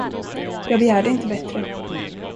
Jag begärde inte bättre.